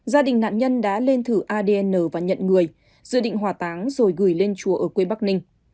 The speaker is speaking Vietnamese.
gia đình nạn nhân đã lên thử adn và nhận người dự định hòa táng rồi gửi lên chùa ở quê bắc ninh